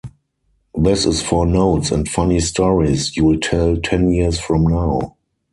This is for notes and funny stories you’ll tell ten years from now.